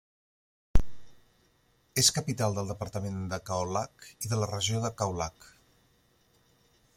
És capital del departament de Kaolack i de la regió de Kaolack.